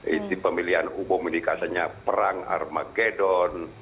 inti pemilihan umum ini katanya perang armageddon